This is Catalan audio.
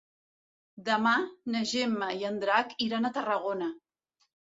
Demà na Gemma i en Drac iran a Tarragona.